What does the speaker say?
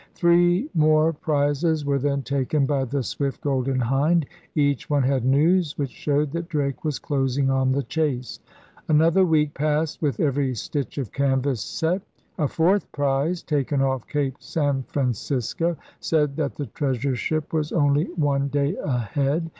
Three more prizes were then taken by the swift Golden Hind. Each one had news which showed that Drake was closing on the chase. An other week passed with every stitch of canvas set. A fourth prize, taken off Cape San Fran cisco, said that the treasure ship was only one day ahead.